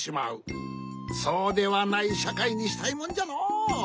そうではないしゃかいにしたいもんじゃのう。